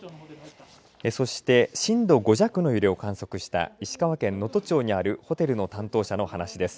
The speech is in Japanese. そして震度５弱の揺れを観測した石川県能登町にあるホテルの担当者の話です。